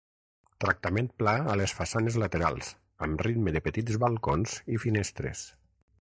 Tractament pla a les façanes laterals, amb ritme de petits balcons i finestres.